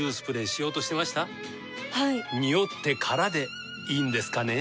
ニオってからでいいんですかね？